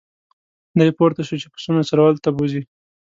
دی پورته شو چې پسونه څرولو ته بوزي.